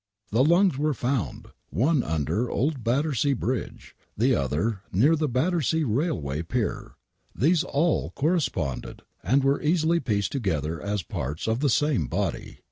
The lungs were found, one imder Old Battersea Bridge, the other near the Battersea Railway Pier ! These all corresponded, and were easily pieced together as parts of the same body.